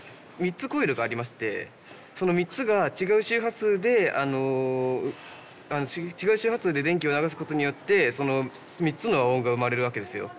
３つコイルがありましてその３つが違う周波数で電気を流すことによって３つの和音が生まれるわけですよ。